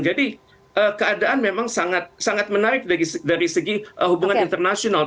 jadi keadaan memang sangat menarik dari segi hubungan internasional